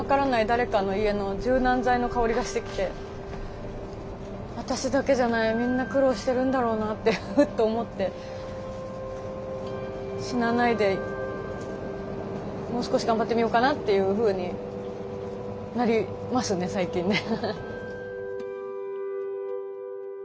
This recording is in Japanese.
誰かの家の柔軟剤の香りがしてきて私だけじゃないみんな苦労してるんだろうなってふっと思って死なないでもう少し頑張ってみようかなっていうふうになりますね最近ね。